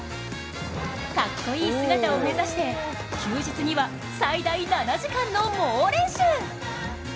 かっこいい姿を見て、休日には最大７時間の猛練習！